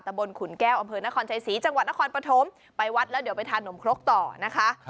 บนขุนแก้วอำเภอนครชัยศรีจังหวัดนครปฐมไปวัดแล้วเดี๋ยวไปทานนมครกต่อนะคะ